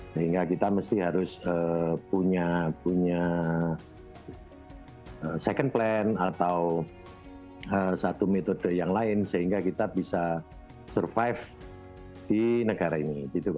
sehingga kita mesti harus punya second plan atau satu metode yang lain sehingga kita bisa survive di negara ini